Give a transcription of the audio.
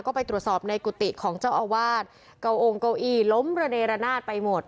ก็ไปตรวจสอบในกุฏิของเจ้าอาวาสเก่าองค์เก้าอี้ล้มระเนรนาศไปหมด